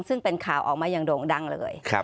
ซึ่งเป็นข่าวออกมาอย่างโด่งดังเลย